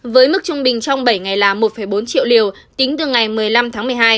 với mức trung bình trong bảy ngày là một bốn triệu liều tính từ ngày một mươi năm tháng một mươi hai